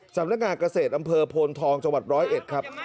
สำนักงานเกษตรอำเภอโพนทองจังหวัดร้อยเอ็ดครับ